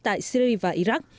tại syri và iraq